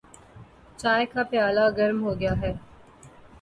چائے کا پیالہ گرم ہوگیا ہے۔